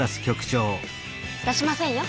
出しませんよ。